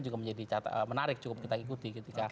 juga menjadi menarik cukup kita ikuti ketika